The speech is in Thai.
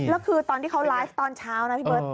แล้วคือตอนที่เขาไลฟ์ตอนเช้านะพี่เบิร์ต